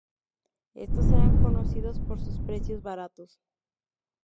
Estos eran conocidos por sus precios baratos.